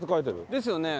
ですよね。